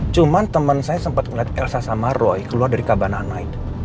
cuman temen saya sempat ngeliat elsa sama roy keluar dari kakak banana night